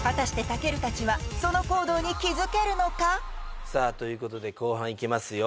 健たちはその行動に気づけるのかさあということで後半いきますよ